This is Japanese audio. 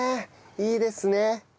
いいですね。